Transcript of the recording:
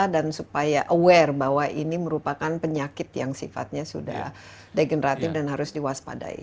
dan supaya aware bahwa ini merupakan penyakit yang sifatnya sudah degeneratif dan harus diwaspadai